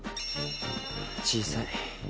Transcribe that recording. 小さい。